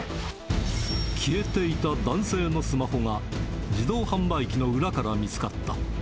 消えていた男性のスマホが、自動販売機の裏から見つかった。